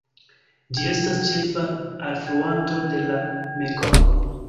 Ĝi estas ĉefa alfluanto de la Mekongo.